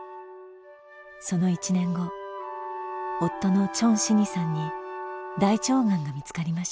その１年後夫の鄭信義さんに大腸がんが見つかりました。